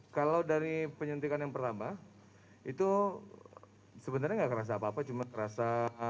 kalau dari penyuntikan yang pertama itu sebenarnya nggak kerasa apa apa cuma terasa